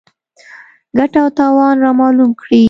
ګټه او تاوان رامعلوم کړي.